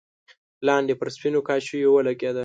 لاندې پر سپينو کاشيو ولګېده.